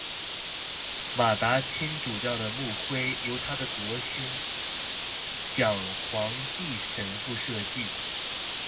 马达钦主教的牧徽由他的铎兄蒋煌纪神父设计。